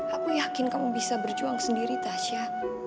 aku yakin kamu bisa berjuang sendiri tasya